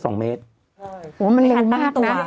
กรมป้องกันแล้วก็บรรเทาสาธารณภัยนะคะ